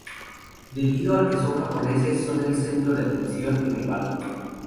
Debido a que son japoneses, son el centro de atención en el barco.